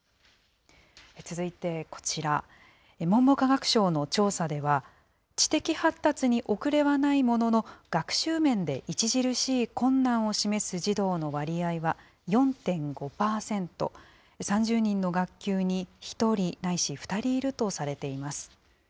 続いてこちら、文部科学省の調査では、知的発達に遅れはないものの、学習面で著しい困難を示す児童の割合は４．５％、３０人の学級に１人ないし２人いるとされています。